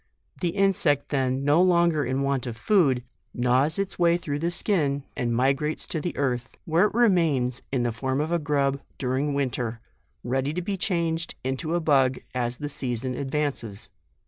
The insect then, no lon ger in want of food, gnaws its way through the skin, and migrates to the earth, where it remains in the form of a grub during winter, ready to be changed into a bug, as the season advances.